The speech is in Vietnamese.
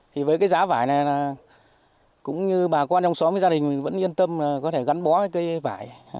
thì với cái giá vải này là cũng như bà con trong xóm với gia đình mình vẫn yên tâm có thể gắn bó với cây vải